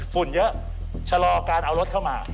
ฝุ่นเยอะชะลอการเอารถเข้ามา